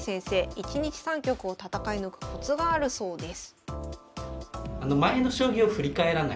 一日３局を戦い抜くコツがあるそうです。